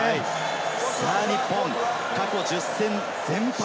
日本過去１０戦全敗。